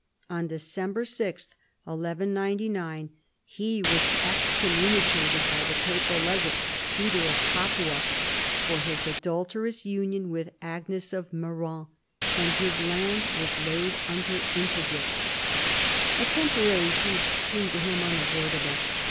On December 6, 1199, he was excommunicated by the papal legate, Peter of Capua, for his adulterous union with Agnes of Meran, and his land was laid under interdict. A temporary peace seemed to him unavoid able.